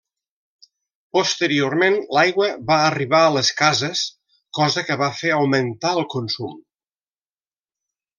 Posteriorment l'aigua va arribar a les cases, cosa que va fer augmentar el consum.